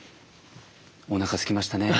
おなかすきましたね。